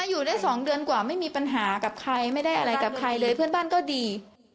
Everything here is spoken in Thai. อยู่ได้๒เดือนกว่าไม่มีปัญหากับใครไม่ได้อะไรกับใครเลยเพื่อนบ้านก็ดี